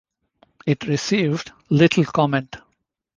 It received little comment.